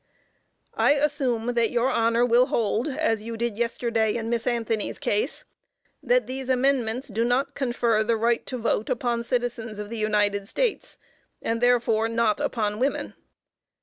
I assume that your Honor will hold, as you did yesterday in Miss Anthony's case, that these amendments do not confer the right to vote upon citizens of the United States, and therefore not upon women.